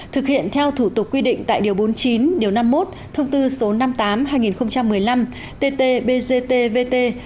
thực hiện theo thủ tục quy định tại điều bốn mươi chín điều năm mươi một thông tư số năm mươi tám hai nghìn một mươi năm tt bgtvt